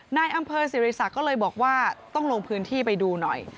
นายอำเภอสิริษักก็เลยบอกว่าต้องลงพื้นที่ไปดูหน่อย